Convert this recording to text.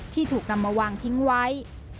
ที่ถูกนำมาวางทิ้งไว้